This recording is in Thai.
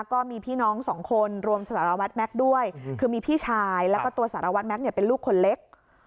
ก็มีพี่น้องสองคนรวมสารวัตรแม็กซ์ด้วยคือมีพี่ชายแล้วก็ตัวสารวัตรแม็กซเนี่ยเป็นลูกคนเล็ก